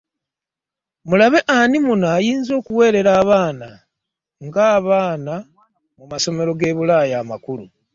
Mulabe ani munno ayinza okuweerera abaana nga bana mu masomero ge Bulaaya amakulu?